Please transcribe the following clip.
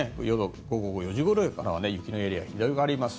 午後４時ごろからは雪のエリアが広がります。